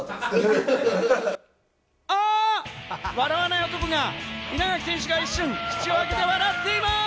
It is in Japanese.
笑わない男が稲垣選手が、一瞬、口を開けて笑っています！